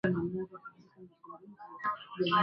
Kutokuwa na mazoea ya kuangamiza kupe